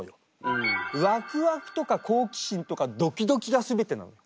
ワクワクとか好奇心とかドキドキがすべてなの。